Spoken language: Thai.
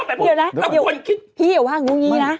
ไม่อย่าแล้วพี่อย่าว่าอย่างนึงยินนะ